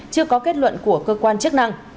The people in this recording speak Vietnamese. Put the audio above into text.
chưa có kết luận của cơ quan chức năng